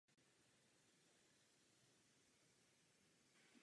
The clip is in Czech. Po absolutoriu působil ve Vídni.